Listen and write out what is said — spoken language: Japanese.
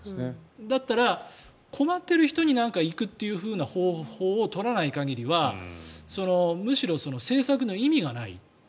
だったら困ってる人に行く方法を取らない限りはむしろ政策の意味がない。